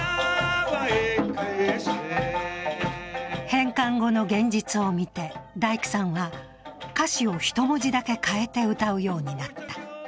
返還後の現実をみて大工さんは、歌詞を１文字だけ変えて歌うようになった。